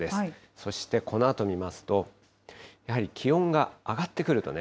そしてこのあと見ますと、やはり気温が上がってくるとね。